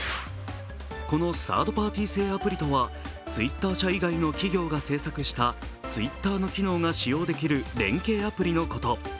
このサードパーティ製アプリとは、Ｔｗｉｔｔｅｒ社以外の企業が製作した、Ｔｗｉｔｔｅｒの機能が使用できる連携アプリのこと。